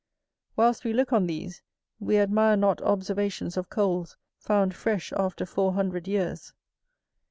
Whilst we look on these, we admire not observations of coals found fresh after four hundred years.